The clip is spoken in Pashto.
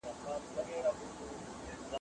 تشویش مه کوئ.